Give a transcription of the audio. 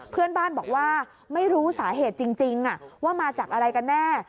เพื่อนบ้านบอกว่าไม่รู้สาเหตุจริงว่ามาจากอะไรกันแน่